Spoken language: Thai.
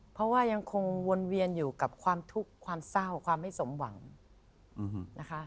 เพราะว่ายังคงวนเวียนอยู่กับความทุกข์ความเศร้าความไม่สมหวังนะคะ